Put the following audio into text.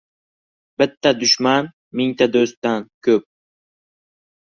• Bitta dushman mingta do‘stdan ko‘p.